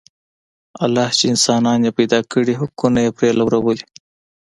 الله ج چې انسانان یې پیدا کړي حقونه یې پرې لورولي.